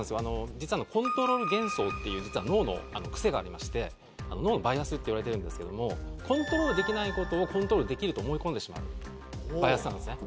実はコントロール幻想っていう脳の癖がありまして脳のバイアスっていわれているんですけれどもコントロールできない事をコントロールできると思い込んでしまうバイアスなんですね。